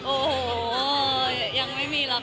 โอ้โหยังไม่มีราคา